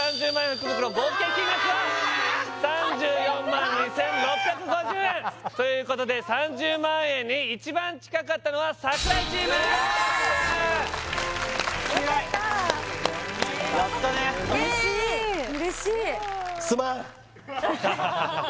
福袋合計金額はああ３４万２６５０円高え！ということで３０万円に一番近かったのは櫻井チームやった強いやったやったやったね嬉しいすまん